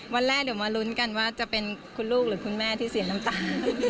วันแรกเดี๋ยวมาลุ้นกันว่าจะเป็นคุณลูกหรือคุณแม่ที่เสียน้ำตา